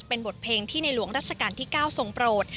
เป็นบทเพลงที่ในหลวงรัชกาลที่๙ทรงโปรด